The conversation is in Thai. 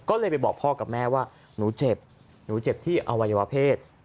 ก็เลยไปบอกพ่อกับแม่ว่าหนูเจ็บหนูเจ็บที่อวัยวเพศ